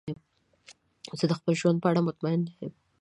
زه د خپل ژوند په اړه مطمئن نه یم.